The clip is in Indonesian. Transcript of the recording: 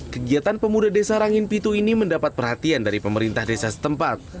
kegiatan pemuda desa rangin pitu ini mendapat perhatian dari pemerintah desa setempat